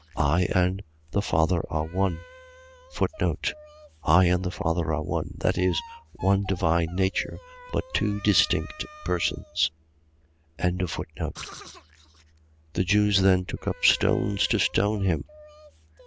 10:30. I and the Father are one. I and the Father are one. . .That is, one divine nature, but two distinct persons. 10:31. The Jews then took up stones to stone him.